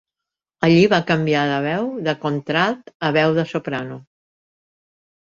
Allí va canviar de veu de contralt a veu de soprano.